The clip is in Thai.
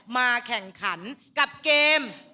มาแข่งขันกับเกม